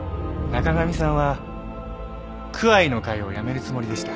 中上さんはクアイの会を辞めるつもりでした。